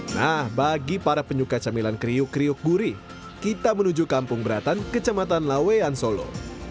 nah bagi para penyuka camilan kriuk kriuk gurih kita menuju kampung beratan kecamatan lawean solo